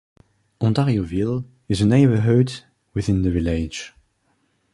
Ontarioville is a neighborhood within the village.